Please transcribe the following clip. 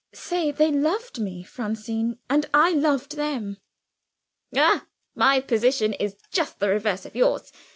"Say they loved me, Francine and I loved them." "Ah, my position is just the reverse of yours.